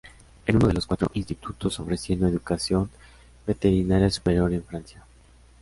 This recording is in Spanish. Es uno de los cuatro institutos ofreciendo educación veterinaria superior en Francia.